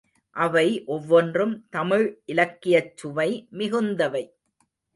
அவை ஒவ்வொன்றும் தமிழ் இலக்கியச் சுவை மிகுந்தவை.